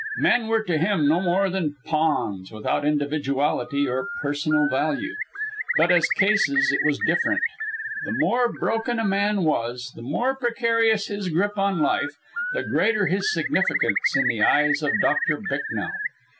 Men were to him no more than pawns, without individuality or personal value. But as cases it was different. The more broken a man was, the more precarious his grip on life, the greater his significance in the eyes of Doctor Bicknell.